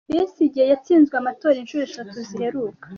Besigye yatsinzwe amatora inshuro eshatu ziheruka.